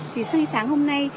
thì sáng hôm nay